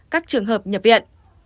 các trường hợp nhập viện